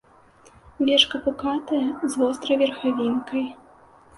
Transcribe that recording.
Вечка пукатае, з вострай верхавінкай.